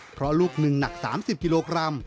เพราะลูกหนึ่งหนัก๓๐กิโลกรัม